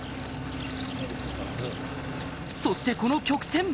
そしてこの曲線！